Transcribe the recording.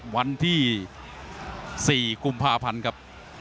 วันที่๔๕ครับ